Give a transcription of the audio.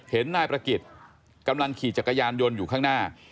เห็นนายประกิจกำลังขี่จักรยานยนต์อยู่ข้างหน้า